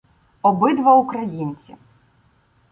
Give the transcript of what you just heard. Обидва українці.